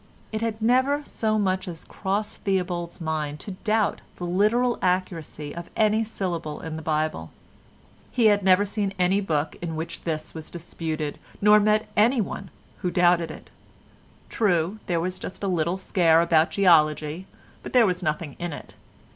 It had never so much as crossed Theobald's mind to doubt the literal accuracy of any syllable in the Bible. He had never seen any book in which this was disputed, nor met with anyone who doubted it. True, there was just a little scare about geology, but there was nothing in it.